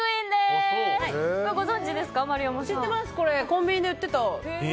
コンビニで売ってた。